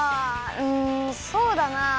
うんそうだな。